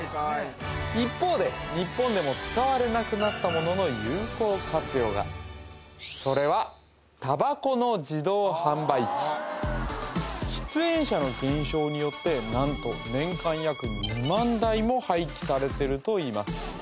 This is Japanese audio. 一方で日本でも使われなくなった物の有効活用がそれは喫煙者の減少によって何と年間約２万台も廃棄されてるといいます